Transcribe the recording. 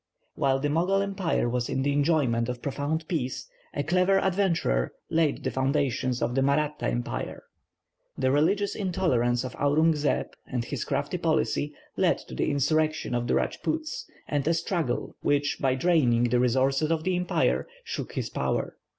While the Mogul Empire was in the enjoyment of profound peace, a clever adventurer laid the foundations of the Mahratta Empire. The religious intolerance of Aurung Zeb, and his crafty policy, led to the insurrection of the Rajpoots, and a struggle, which by draining the resources of the empire, shook his power.